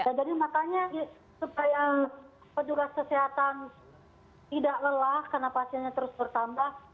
jadi makanya supaya petugas kesehatan tidak lelah karena pasiennya terus bertambah